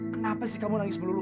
kenapa sih kamu nangis melulu